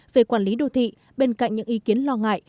về quản lý đô thị bên cạnh những ý kiến lo ngại